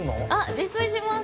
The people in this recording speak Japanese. ◆自炊します。